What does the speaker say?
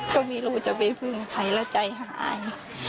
ก็ไม่รู้จะไปพึ่งใครแล้วใจหาย